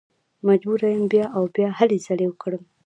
مجبوره یم بیا او بیا هلې ځلې وکړم.